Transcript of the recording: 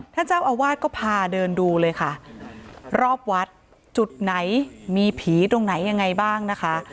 ท่านเจ้าอาวาสก็พาเดินดูเลยค่ะรอบวัดจุดไหนมีผีตรงไหนยังไงบ้างนะคะ